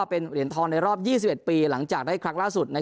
เป็นเหรียญทองในรอบ๒๑ปีหลังจากได้ครั้งล่าสุด